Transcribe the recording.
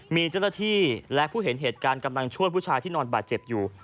มีเจ้าหน้าที่และผู้เห็นเหตุการณ์กำลังช่วยผู้ชายที่นอนบาดเจ็บอยู่